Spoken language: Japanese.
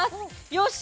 よし！